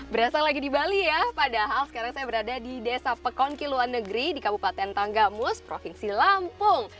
berasal lagi di bali ya padahal sekarang saya berada di desa pekon kiluan negeri di kabupaten tanggamus provinsi lampung